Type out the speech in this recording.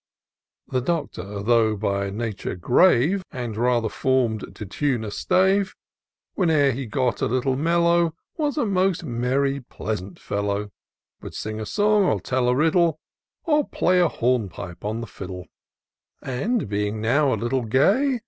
The Doctor, though by nature grave, Aud rather form'd to tune a stave. Whene'er he got a little mellow, Was a most merry, pleasant fellow ; Would sing a song, or tell a riddle, Or play a hornpipe on the fiddle; And, being now a little gay.